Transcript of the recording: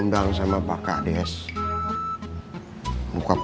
maka batal perjanjiannya mau chad